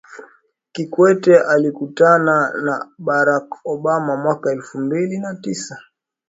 kikwete alikutana na barack obama mwaka elfu mbili na tisa